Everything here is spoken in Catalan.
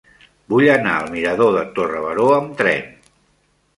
Vull anar al mirador de Torre Baró amb tren.